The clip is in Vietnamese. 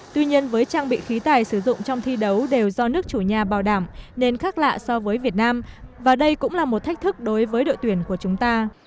tuy nhiên với trang bị khí tài sử dụng trong thi đấu đều do nước chủ nhà bảo đảm nên khác lạ so với việt nam và đây cũng là một thách thức đối với đội tuyển của chúng ta